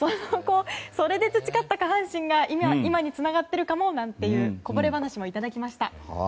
それで培った下半身が今につながっているかもなんていうこぼれ話もいただきました。